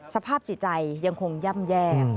สภาพสิจัยยังคงย่ำแยบ